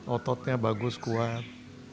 ototnya bagus kuat